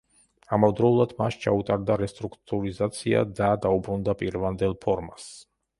ამავდროულად, მას ჩაუტარდა რესტრუქტურიზაცია და დაუბრუნდა პირვანდელ ფორმას.